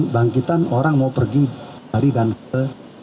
bangkitan orang mau pergi dari dan ke